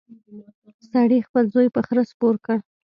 سړي خپل زوی په خره سپور کړ.